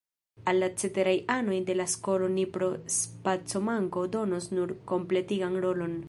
Al la ceteraj anoj de la skolo ni pro spacomanko donos nur kompletigan rolon.